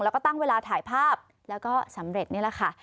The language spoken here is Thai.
แล้วก็ตั้งเวลาถ่ายภาพแล้วก็สำเร็จนี่แหละค่ะ